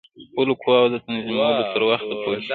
خپلو قواوو د تنظیمولو تر وخته پوري.